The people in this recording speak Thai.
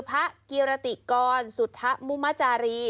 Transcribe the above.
พระกิรติกรสุธมุมจารี